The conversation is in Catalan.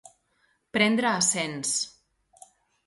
Prendre a cens.